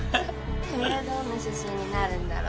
えどんな写真になるんだろ。